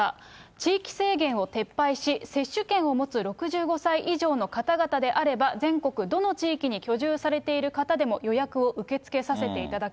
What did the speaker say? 地域制限を撤廃し、接種券を持つ６５歳以上の方々であれば、全国どの地域に居住されている方でも予約を受け付けさせていただく。